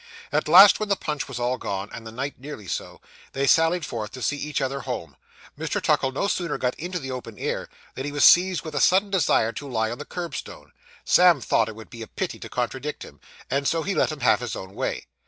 At last, when the punch was all gone, and the night nearly so, they sallied forth to see each other home. Mr. Tuckle no sooner got into the open air, than he was seized with a sudden desire to lie on the curbstone; Sam thought it would be a pity to contradict him, and so let him have his own way.